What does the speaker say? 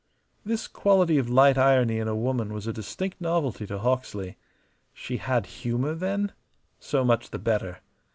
This quality of light irony in a woman was a distinct novelty to Hawksley. She had humour, then? So much the better.